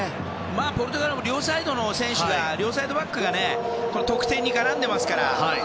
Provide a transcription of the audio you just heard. ポルトガルも両サイドバックが得点に絡んでいますから。